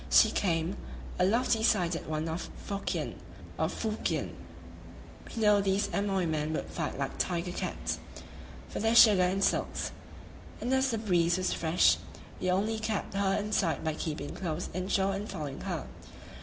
She came, a lofty sided one of Fokien [Fuhkien]. We knew these Amoy men would fight like tiger cats for their sugar and silks; and as the breeze was fresh, we only kept her in sight by keeping close inshore and following her.